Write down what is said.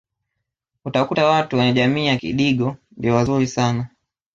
utakuta watu wenye jamii ya kidigo ndio wazuri sana